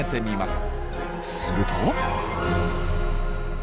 すると。